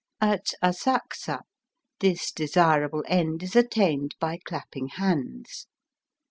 At Asakusa this desirable end is attained by clapping hands.